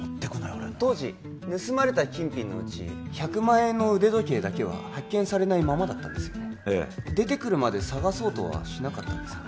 俺の当時盗まれた金品のうち１００万円の腕時計だけは発見されないままだったんですねええ出てくるまで捜そうとはしなかったんですか？